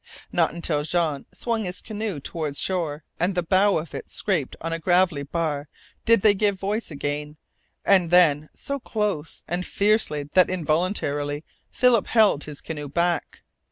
Not until Jean swung his canoe toward shore and the bow of it scraped on a gravelly bar did they give voice again, and then so close and fiercely that involuntarily Philip held his canoe back.